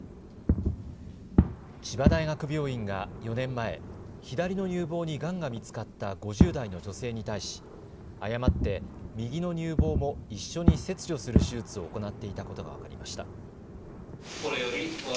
千葉大学病院が４年前、左の乳房にがんが見つかった５０代の女性に対し、誤って右の乳房も一緒に切除する手術を行っていたことが分かりました。